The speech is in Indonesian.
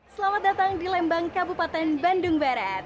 selamat datang di lembang kabupaten bandung barat